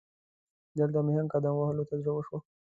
دلته مې هم قدم وهلو ته زړه وشو.